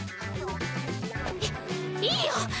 いいいよ。